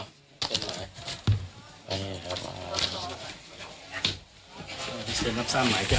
ขอบคุณด้วยนามสุขภูมิด้วย